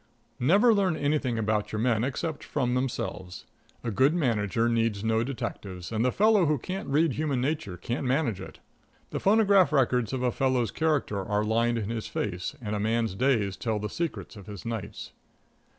Never learn anything about your men except from themselves. A good manager needs no detectives, and the fellow who can't read human nature can't manage it. The phonograph records of a fellow's character are lined in his face, and a man's days tell the secrets of his nights.